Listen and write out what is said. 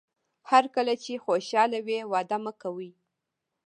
هر کله چې خوشاله وئ وعده مه کوئ.